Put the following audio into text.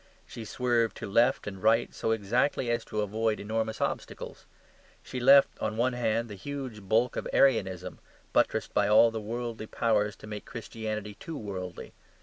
She swerved to left and right, so exactly as to avoid enormous obstacles. She left on one hand the huge bulk of Arianism, buttressed by all the worldly powers to make Christianity too worldly.